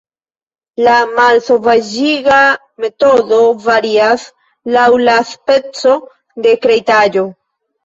La malsovaĝiga metodo varias laŭ la speco de kreitaĵo.